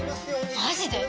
マジで？